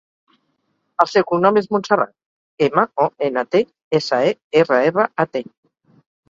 El seu cognom és Montserrat: ema, o, ena, te, essa, e, erra, erra, a, te.